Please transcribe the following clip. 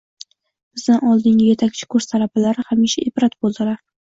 Bizdan oldingi etakchi kurs talabalari hamisha ibrat bo`ldilar